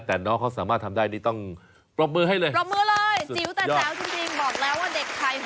แต่น้องเขาสามารถทำได้นี่ต้องปลอบมือให้เลย